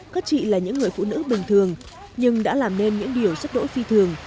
các chị là những người phụ nữ bình thường nhưng đã làm nên những điều sắp đổi phi thường